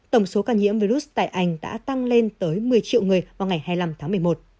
tổng số ca nhiễm virus tại anh đã tăng lên tới một mươi triệu người vào ngày hai mươi năm tháng một mươi một